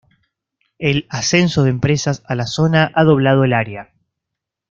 El ascenso de empresas a la zona ha doblado el área.